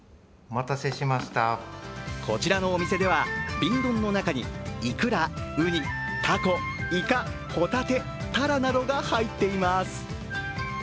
こちらのお店では、瓶ドンの中にイクラ、ウニ、タコ、イカ、ホタテ、タラなどが入っています。